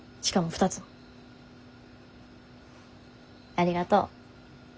ありがとう。